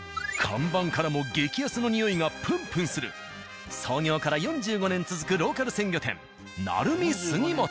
看板からも激安のにおいがプンプンする創業から４５年続くローカル鮮魚店。